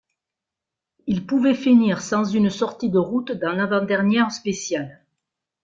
Il pouvait finir sans une sortie de route dans l'avant dernière spéciale.